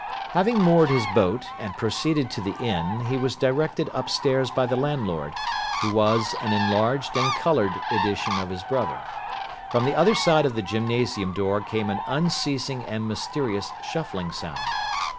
Having moored his boat and proceeded to the inn, he was directed upstairs by the landlord, who was an enlarged and coloured edition of his brother. From the other side of the gymnasium door came an unceasing and mysterious shuffling sound.